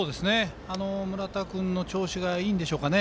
村田君の調子がいいんでしょうか。